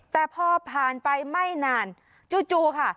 แต่พอผ่านไปไม่นานจู่ค่ะ